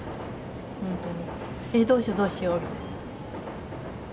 ほんとにえっどうしようどうしようみたいな感じ。